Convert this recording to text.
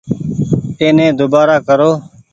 ايني ۮوبآرآ ڪرو ۔